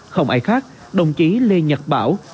không ai khác đồng chí lê nhật bảo